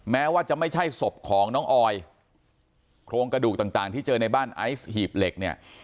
แม้ว่าจะไม่ใช่ศพของน้องออยโครงกระดูกต่างที่เจอในบ้านไอซ์หีบเหล็กเนี่ย